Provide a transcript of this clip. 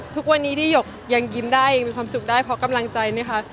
ทุกวันนี้ที่หยกยังยิ้มได้ยังมีความสุขได้เพราะกำลังใจไหมคะ